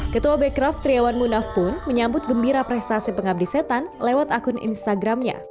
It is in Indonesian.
ketua bekraf triawan munaf pun menyambut gembira prestasi pengabdi setan lewat akun instagramnya